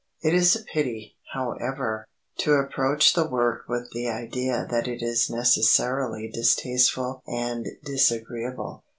It is a pity, however, to approach the work with the idea that it is necessarily distasteful and disagreeable.